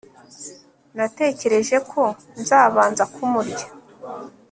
natekereje ko nzabanza kumurya